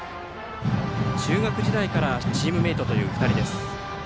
中学時代からチームメートという２人です。